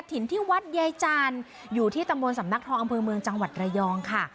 ถิ่นที่วัดยายจานอยู่ที่ตำบลสำนักทองอำเภอเมืองจังหวัดระยองค่ะ